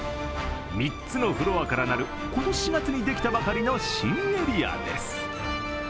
３つのフロアからなる今年４月にできたばかりの新エリアです。